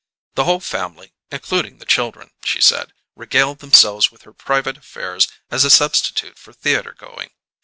The whole family, including the children, she said, regaled themselves with her private affairs as a substitute for theatre going.